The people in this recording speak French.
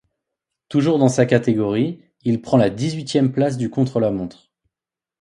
Toujours dans sa catégorie, il prend la dix-huitième place du contre-la-montre.